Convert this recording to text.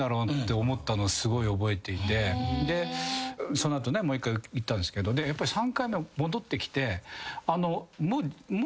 その後ねもう１回行ったんですけど３回目戻ってきて。